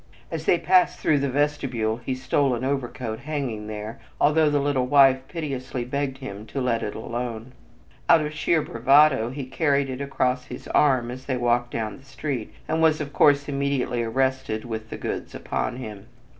As they passed through the vestibule he stole an overcoat hanging there, although the little wife piteously begged him to let it alone. Out of sheer bravado he carried it across his arm as they walked down the street, and was, of course, immediately arrested "with the goods upon him."